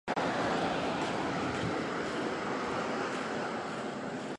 立法院围墙